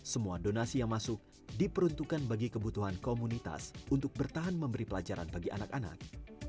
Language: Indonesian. semua donasi yang masuk diperuntukkan bagi kebutuhan komunitas untuk bertahan memberi pelajaran bagi anak anak